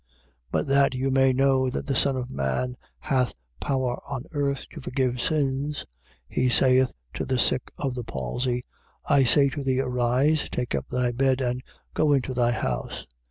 2:10. But that you may know that the Son of man hath power on earth to forgive sins (he saith to the sick of the palsy): 2:11. I say to thee: Arise. Take up thy bed and go into thy house.